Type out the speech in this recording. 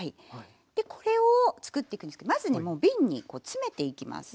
でこれを作っていくんですけどまずねもう瓶にこう詰めていきます。